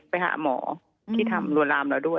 ไปหาหมอที่ทำลวนลามเราด้วย